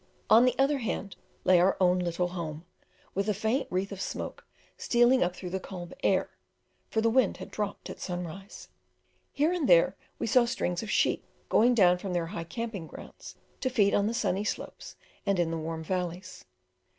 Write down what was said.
On the other hand lay our own little home, with the faint wreath of smoke stealing up through the calm air (for the wind had dropped at sunrise). Here and there we saw strings of sheep going down from their high camping grounds to feed on the sunny slopes and in the warm valleys.